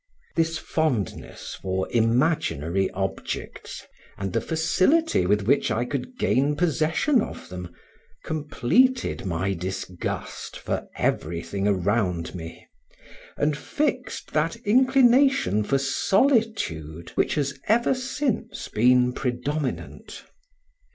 This fondness for imaginary objects, and the facility with which I could gain possession of them, completed my disgust for everything around me, and fixed that inclination for solitude which has ever since been predominant.